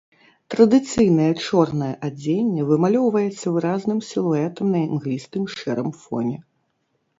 Традыцыйнае чорнае адзенне вымалёўваецца выразным сілуэтам на імглістым шэрым фоне.